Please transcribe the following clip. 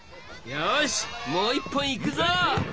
よしもう一本いくぞ！